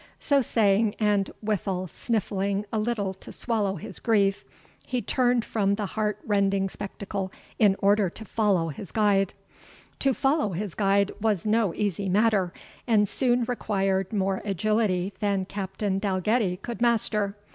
So saying, and withal sniffling a little to swallow his grief, he turned from the heart rending spectacle in order to follow his guide. To follow his guide was no easy matter, and soon required more agility than Captain Dalgetty could master.